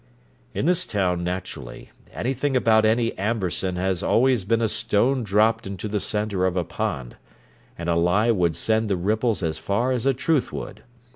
In this town, naturally, anything about any Amberson has always been a stone dropped into the centre of a pond, and a lie would send the ripples as far as a truth would.